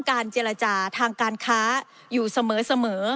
การเจรจาทางการค้าอยู่เสมอ